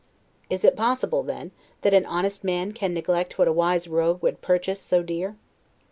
Is it possible, then, that an honest man can neglect what a wise rogue would purchase so dear?